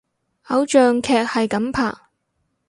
偶像劇係噉拍！